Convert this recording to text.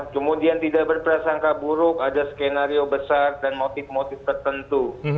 kemudian tidak berprasangka buruk ada skenario besar dan motif motif tertentu